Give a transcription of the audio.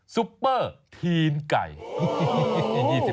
ซุปเปอร์ทีนไก่